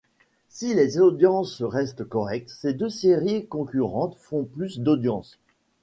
Si les audiences restent correctes, ces deux séries concurrentes font plus d'audience.